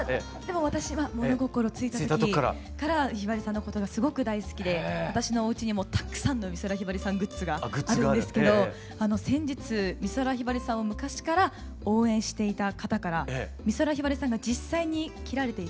でも私は物心ついた時からひばりさんのことがすごく大好きで私のおうちにもたくさんの美空ひばりさんグッズがあるんですけど先日美空ひばりさんを昔から応援していた方から美空ひばりさんが実際に着られていたお着物を頂きました。